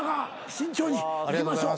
慎重にいきましょう。